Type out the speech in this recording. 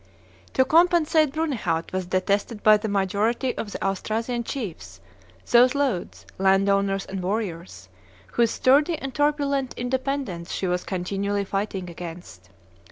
To compensate, Brunehaut was detested by the majority of the Austrasian chiefs, those Leudes, landowners and warriors, whose sturdy and turbulent independence she was continually fighting against.